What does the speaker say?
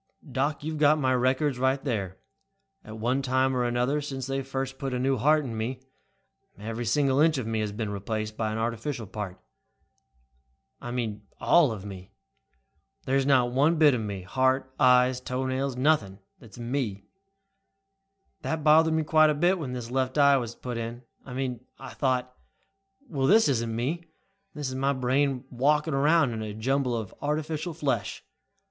"Doc, you've got my records there. At one time or another, since they first put a new heart in me, every single inch of me has been replaced by an artificial part. I mean all of me. There's not one bit of me, heart, eyes, toenails, nothing, that is me. That bothered me quite a bit when this left eye was put in. I mean I thought, 'Well, this isn't me. This is my brain walking around in a jumble of artificial flesh.'